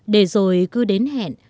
để rồi cứ đến hẹn